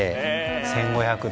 １５００度。